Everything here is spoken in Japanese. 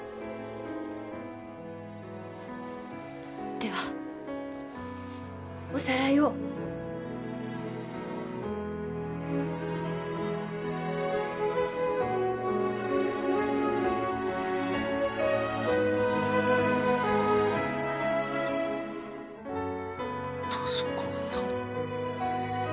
ではおさらいを俊子さん